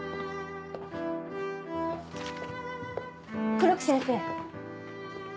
黒木先生。